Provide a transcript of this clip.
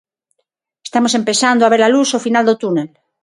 Estamos empezando a ver a luz ao final do túnel.